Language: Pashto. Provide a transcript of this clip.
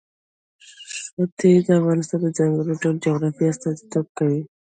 ښتې د افغانستان د ځانګړي ډول جغرافیه استازیتوب کوي.